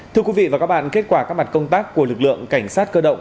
thưa quý vị và các bạn kết quả các mặt công tác của lực lượng cảnh sát cơ động